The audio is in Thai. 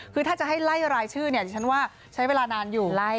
คือถ้าจะให้ไล่รายชื่อฉันว่าใช้เวลานานอยู่เยอะมาก